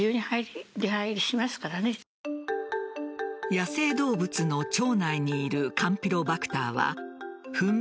野生動物の腸内にいるカンピロバクターはふん